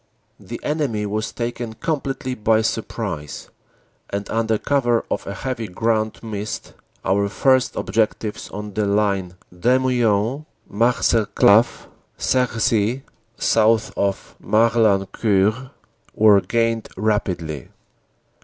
The enemy was taken completely by surprise, and under cover of a heavy ground mist our first objectives on the line Demuin Marcelcave Cerisy, south of Morlancourt, were gained rapidly.